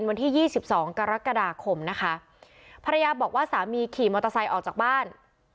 วันที่ยี่สิบสองกรกฎาคมนะคะภรรยาบอกว่าสามีขี่มอเตอร์ไซค์ออกจากบ้าน